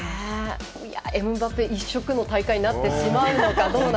エムバペ一色の大会になってしまうかどうか。